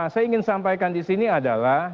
saya ingin sampaikan di sini adalah